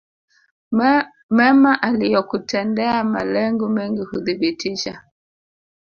mema aliyokutendea Malengo mengi huthibitisha